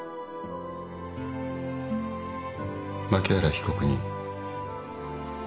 槇原被告人。